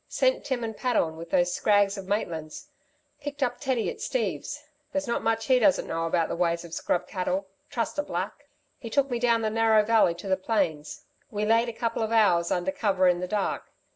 Sent Tim and Pat on with those scrags of Maitland's! Picked up Teddy at Steve's. There's not much he doesn't know about the ways of scrub cattle. Trust a black! He took me down Narrow Valley to the plains. We laid a couple of hours under cover in the dark.